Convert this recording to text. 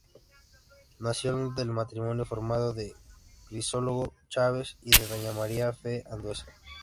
Nació del matrimonio formado por Crisólogo Chaves y de Doña María F. Andueza.